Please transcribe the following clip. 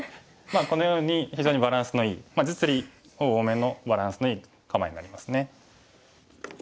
このように非常にバランスのいい実利多めのバランスのいい構えになりますね。